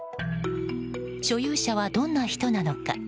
所有者はどんな人なのか。